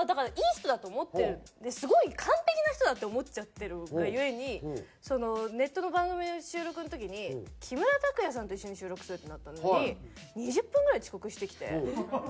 すごい完璧な人だって思っちゃってるがゆえにネットの番組の収録の時に木村拓哉さんと一緒に収録するってなったのに２０分ぐらい遅刻してきて。